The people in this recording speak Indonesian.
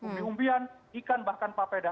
umbi umbian ikan bahkan papeda